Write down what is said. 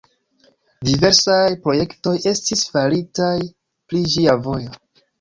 Diversaj projektoj estis faritaj pri ĝia vojo.